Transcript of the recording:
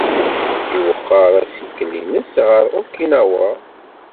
Iwexxer assikel-nnes ɣer Okinawa.